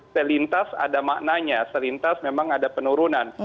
selintas ada maknanya selintas memang ada penurunan